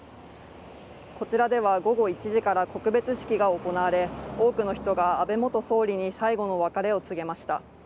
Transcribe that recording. こちらでは午後１時から告別式が行われ多くの人が安倍元総理に最後の別れを告げました。